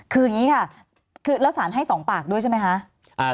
คืออย่างงี้ค่ะแล้วศาลให้สองปากด้วยใช่ไหมคะ